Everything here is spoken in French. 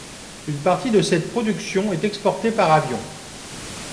Une partie de cette production est exportée par avion.